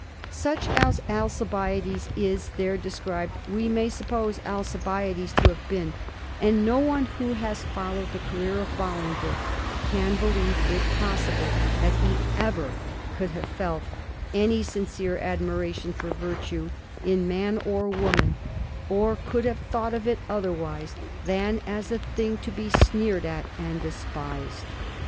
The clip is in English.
Such as Alci biades is there described we may suppose Alcibiades to have been, and no one who has followed the career of Bolingbroke can believe it possible that he ever could have felt any sincere admiration for virtue in man or woman, or could have thought of it otherwise than as a thing to be sneered at and despised.